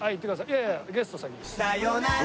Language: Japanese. いやいやゲスト先です。